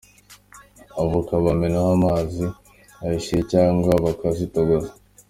Avoka bazimenaho amazi ashyushye cyangwa bakazitogosa.